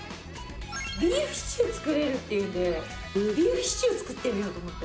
ビーフシチュー作れるっていうんでビーフシチュー作ってみようと思って。